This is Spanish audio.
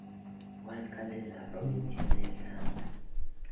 Fue alcalde de la Provincia del Santa.